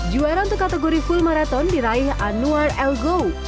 juara untuk kategori full maraton diraih anwar el gouw